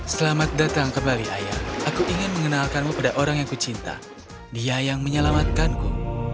selamat datang kembali ayah aku ingin mengenalkanmu pada orang yang ku cinta dia yang menyelamatkanku